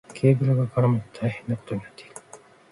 ケーブルが絡まって大変なことになっている。